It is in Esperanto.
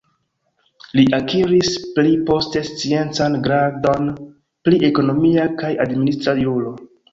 Li akiris pli poste sciencan gradon pri ekonomia kaj administra juro.